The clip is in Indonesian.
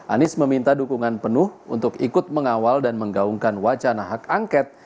anies meminta dukungan penuh untuk ikut mengawal dan menggaungkan wacana hak angket